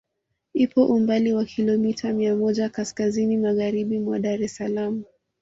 Ipo umbali wa Kilomita mia moja kaskazini Magharibi mwa Dar es Salaam